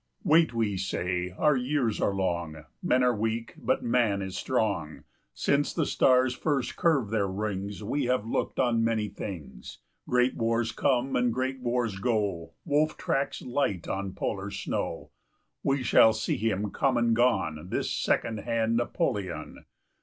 ] Wait, we say; our years are long; Men are weak, but Man is strong; Since the stars first curved their rings, 15 We have looked on many things; Great wars come and great wars go, Wolf tracks light on polar snow; We shall see him come and gone, This second hand Napoleon.